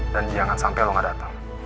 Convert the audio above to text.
dan jangan sampe lo gak dateng